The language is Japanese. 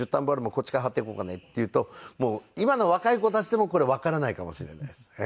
こっちからはってこうかね」って言うと今の若い子たちでもこれわからないかもしれないです。